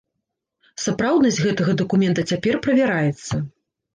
Сапраўднасць гэтага дакумента цяпер правяраецца.